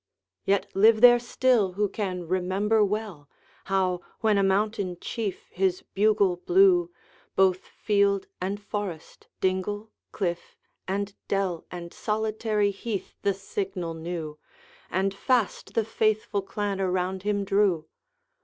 Yet live there still who can remember well, How, when a mountain chief his bugle blew, Both field and forest, dingle, cliff; and dell, And solitary heath, the signal knew; And fast the faithful clan around him drew.